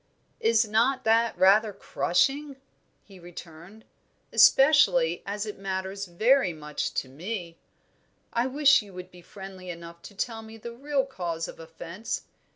"Is not that rather crushing?" he returned. "Especially as it matters very much to me. I wish you would be friendly enough to tell me the real cause of offence.